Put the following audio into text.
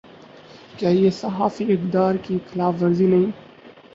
کیا یہ صحافی اقدار کی خلاف ورزی نہیں۔